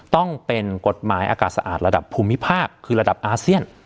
ต้องเป็นกฎหมายอากาศสะอาดระดับภูมิภาคคือระดับอาเซียน